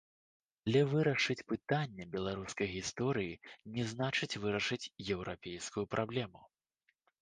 Але вырашыць пытанне беларускай гісторыі, не значыць вырашыць еўрапейскую праблему.